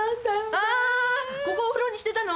あここお風呂にしてたの？